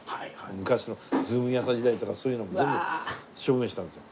昔の『ズームイン！！朝！』時代とかそういうのも全部処分したんですよ。